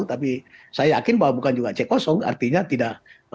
tapi saya yakin bahwa bukan juga c artinya tidak